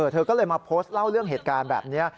เธอก็เลยมาโพสต์เล่าเรื่องเหตุการณ์แบบนี้